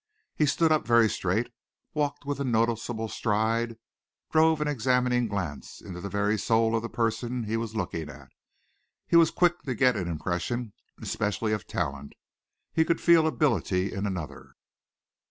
He stood up very straight, walked with a noticeable stride, drove an examining glance into the very soul of the person he was looking at. He was quick to get impressions, especially of talent. He could feel ability in another.